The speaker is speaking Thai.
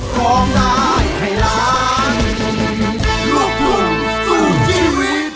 ร้องได้ร้องได้ร้องได้